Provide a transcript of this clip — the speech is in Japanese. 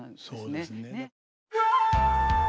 そうですね。